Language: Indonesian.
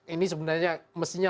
ini sebenarnya mestinya